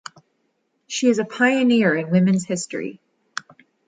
She is a pioneer in women’s history.